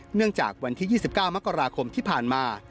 เนื่องจากวันที่๒๙มกราคมที่ผ่านมา